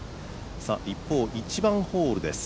一方、１番ホールです。